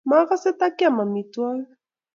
Magase ta kiam amitwogik